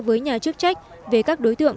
với nhà chức trách về các đối tượng